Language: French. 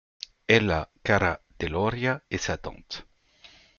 Ella Cara Deloria est sa tante.